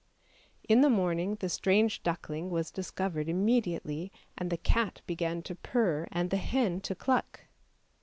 In the morning the strange duckling was discovered im mediately, and the cat began to purr, and the hen to cluck.